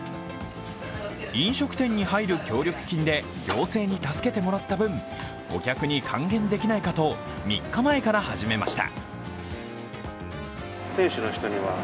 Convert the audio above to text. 飲食店に入る協力金で行政に助けてもらった分、お客に還元できないかと３日前から始めました。